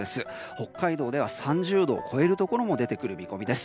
北海道では３０度を超えるところも出てくる見込みです。